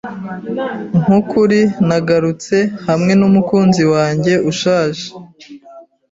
Nkukuri, nagarutse hamwe numukunzi wanjye ushaje.